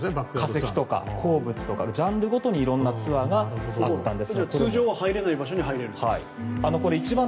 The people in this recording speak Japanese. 化石とか鉱物とかジャンルごとに色々なツアーがあったんですが。